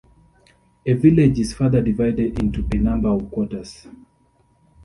A village is further divided into a number of quarters.